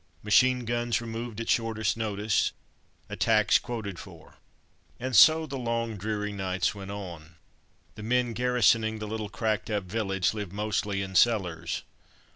MACHINE GUNS REMOVED AT SHORTEST NOTICE. ATTACKS QUOTED FOR." And so the long dark dreary nights went on. The men garrisoning the little cracked up village lived mostly in cellars.